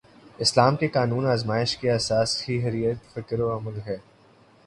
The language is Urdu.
اسلام کے قانون آزمائش کی اساس ہی حریت فکر و عمل ہے۔